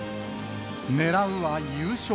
狙うは優勝。